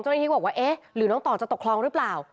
ที่ก็บอกว่าเอ๊ะหรือน้องต่อจะตกคลองหรือเปล่า